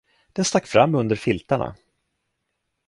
Den stack fram under filtarna.